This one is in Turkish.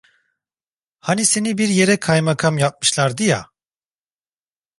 Hani seni bir yere kaymakam yapmışlardı ya?